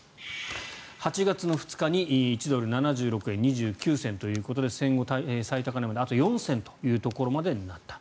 ８月２日に１ドル＝７６円２９銭というか戦後最高値まであと４銭というところまでになった。